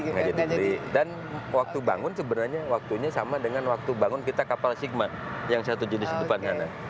sengaja dibeli dan waktu bangun sebenarnya waktunya sama dengan waktu bangun kita kapal sigma yang satu jenis di depan sana